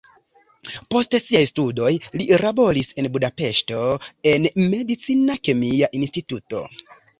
Post siaj studoj li laboris en Budapeŝto en medicina kemia instituto.